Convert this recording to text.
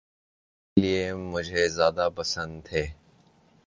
اسی لیے مجھے زیادہ پسند تھے۔